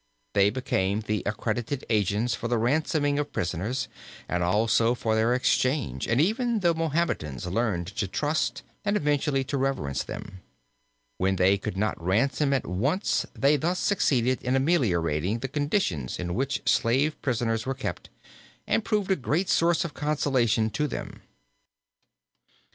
They became the accredited agents for the ransoming of prisoners, and also for their exchange and even the Mahometans learned to trust and eventually to reverence them. When they could not ransom at once they thus succeeded in ameliorating the conditions in which slave prisoners were kept, and proved a great source of consolation to them.